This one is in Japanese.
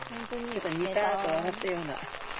ちょっとニタッと笑ったような。